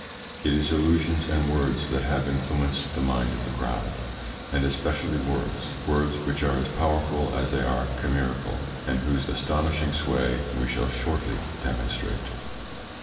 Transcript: It is illusions and words that have influenced the mind of the crowd, and especially words words which are as powerful as they are chimerical, and whose astonishing sway we shall shortly demonstrate.